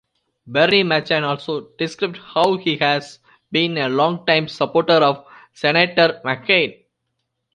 Bernie Machen also described how he has been a long-time supporter of Senator McCain.